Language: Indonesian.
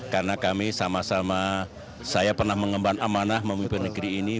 karena kami sama sama saya pernah mengembang amanah memimpin negeri ini